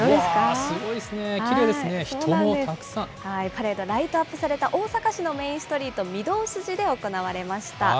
パレード、ライトアップされた大阪市のメインストリート御堂筋で行われました。